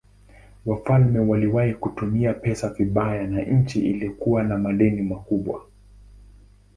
Wafalme waliwahi kutumia pesa vibaya na nchi ilikuwa na madeni makubwa.